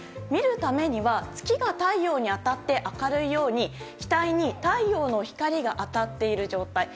見るためには月が太陽に当たって明るいように機体に太陽の光が当たっている状態。